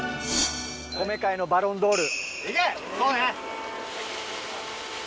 米界のバロンドール。